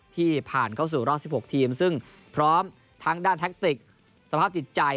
ที่ผ่านเข้าสู่รอบ๑๖ทีมซึ่งพร้อมทั้งด้านแท็กติกสภาพจิตใจ